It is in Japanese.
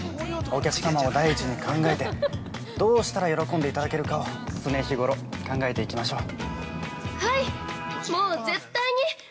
お客様を第一に考えて、どうしたら喜んでいただけるかを、常日頃、考えていきましょう。